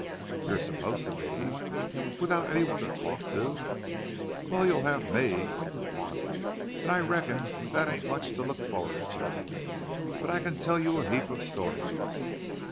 "You're supposed to be." "Without any one to talk to?" "Wal, you'll hev me, when you want. I reckon thet ain't much to look forward to. But I can tell you a heap of stories.